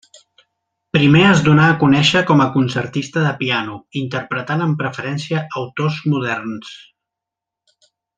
Primer es donà a conèixer com a concertista de piano, interpretant amb preferència autors moderns.